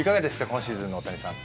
今シーズンの大谷さん。